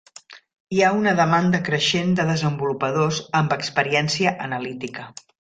Hi ha una demanda creixent de desenvolupadors amb experiència analítica.